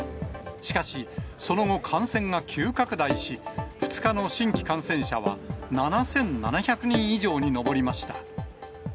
しかし、その後、感染が急拡大し、２日の新規感染者は７７００人以上に上りました。